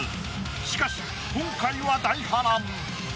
しかし今回は大波乱。